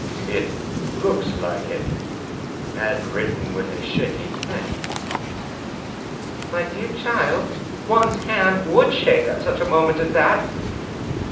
" It looks like it — and written with a shaky pen." " My dear child, one's hand would shake at such a mo ment as that."